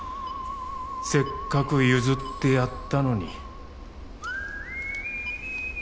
せっかく譲ってやったのに。